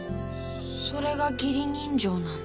それが義理人情なんだ。